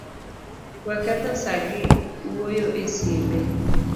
We ketho saa gi wuoyo e sime